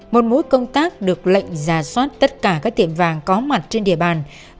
một mũi công tác được lệnh giả soát tất cả các tiệm vàng có mặt trên địa bàn